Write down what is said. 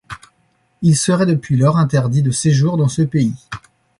Il serait, depuis lors, interdit de séjour dans ce pays.